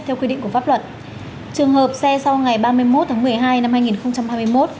theo quy định của pháp luật trường hợp xe sau ngày ba mươi một tháng một mươi hai năm hai nghìn hai mươi một